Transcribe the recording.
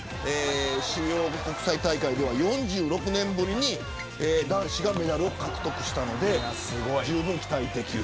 主要国際大会では４６年ぶりに男子がメダルを獲得したので十分、期待できる。